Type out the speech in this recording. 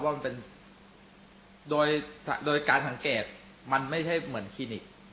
มันเป็นโดยการสังเกตมันไม่ใช่เหมือนคลินิก